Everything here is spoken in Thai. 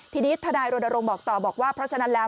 ทีนี้ทนายรณรงค์บอกต่อบอกว่าเพราะฉะนั้นแล้ว